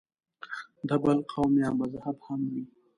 د بل قوم یا مذهب هم وي.